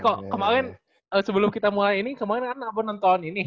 oh gini sebelum kita mulai ini kemarin kan abos nonton ini